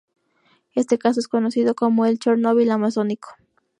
Este caso es conocido como el "Chernobyl Amazónico".